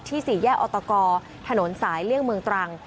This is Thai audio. สี่แยกออตกถนนสายเลี่ยงเมืองตรัง